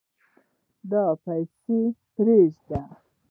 دی پسي پریږده